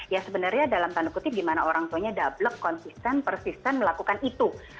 ya sebenarnya dalam tanda kutip gimana orang tuanya dablek konsisten persisten melakukan itu